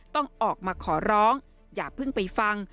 ต้องออกมาขอร้องอย่าเพิ่งไปฟัง